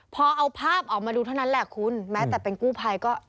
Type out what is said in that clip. พอเอาภาพออกมาดูเท่านั้นแหละคุณแม้แต่เป็นกู้ภัยก็